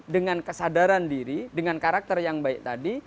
dengan kesadaran diri dengan karakter yang baik tadi